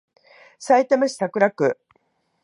さいたま市桜区